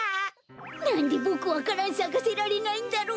なんでボクわか蘭さかせられないんだろう。